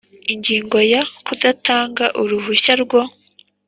Ingingo ya kudatanga uruhushya rwo